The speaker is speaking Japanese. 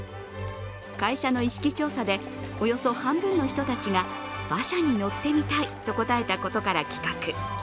会社の意識調査でおよそ半分の人たちが馬車に乗ってみたいと答えたことから企画。